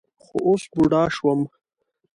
خو اوس بوډا شوم.